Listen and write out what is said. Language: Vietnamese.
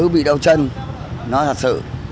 cậu à tớ bị đau chân nói thật sự